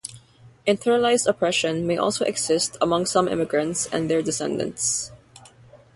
Internalized oppression may also exist among some immigrants and their descendants.